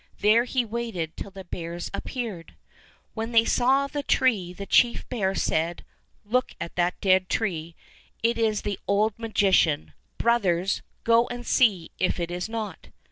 There he waited till the bears appeared. 55 Fairy Tale Bears When they saw the tree the chief bear said: "Look at that dead tree. It is the old magician. Brothers, go and see if it is not."